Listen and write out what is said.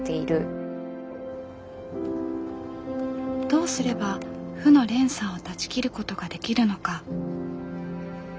どうすれば負の連鎖を断ち切ることができるのか。